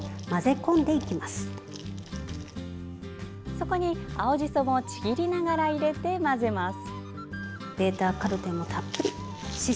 そこに青じそもちぎりながら入れて、混ぜます。